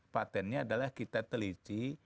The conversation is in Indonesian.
patentnya adalah kita teliti